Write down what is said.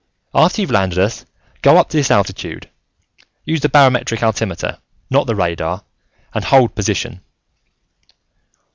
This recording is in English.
After you've landed us, go up to this altitude use the barometric altimeter, not the radar and hold position."